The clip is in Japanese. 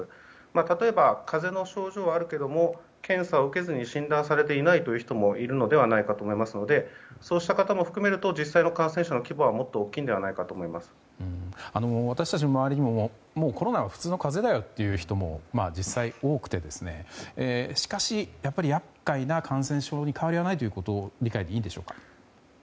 例えば風邪の症状はあるけども検査を受けずに診断されていない人もいると思われますのでそうした方も含めると実際の感染者の規模は私たちの周りにももうコロナは普通の風邪だよという人も実際に多くてしかしやっかいな感染症に変わりはないということでいいですか。